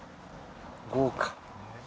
豪華。